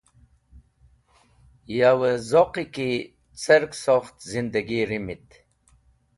Yawẽ zoqiki cersokht zindẽgi rimit